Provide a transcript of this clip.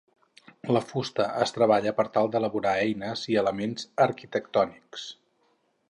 La fusta es treballa per tal d'elaborar eines i elements arquitectònics.